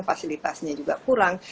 fasilitasnya juga kurang